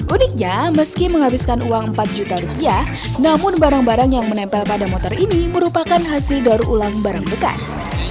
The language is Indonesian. uniknya meski menghabiskan uang empat juta rupiah namun barang barang yang menempel pada motor ini merupakan hasil daur ulang barang bekas